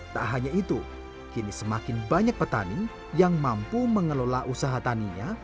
tak hanya itu kini semakin banyak petani yang mampu mengelola usaha taninya